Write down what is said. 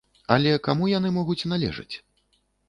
Але каму яны могуць належаць?